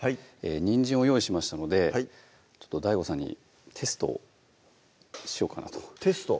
にんじんを用意しましたのでＤＡＩＧＯさんにテストをしようかなとテスト？